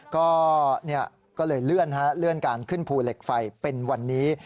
ก็เลยเลื่อนการขึ้นภูเหล็กไฟเป็นวันนี้